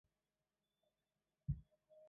后由阮文藻接任。